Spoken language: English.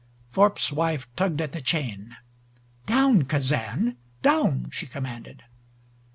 Thorpe's wife tugged at the chain. "Down, Kazan down!" she commanded.